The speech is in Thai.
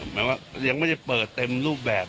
หมายว่ายังไม่ได้เปิดเต็มรูปแบบ